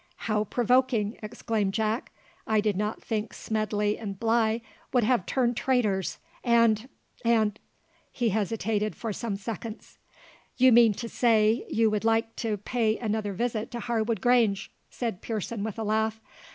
"How provoking!" exclaimed Jack; "I did not think Smedley and Bligh would have turned traitors; and and " he hesitated for some seconds. "You mean to say, you would like to pay another visit to Harwood Grange," said Pearson, with a laugh.